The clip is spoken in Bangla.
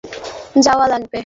হ্যাঁ, আমাকে যাওয়া লাগবে।